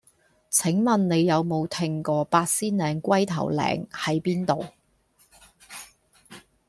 請問你有無聽過八仙嶺龜頭嶺喺邊度